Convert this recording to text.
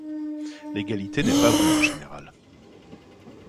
L'égalité n'est pas vraie en général.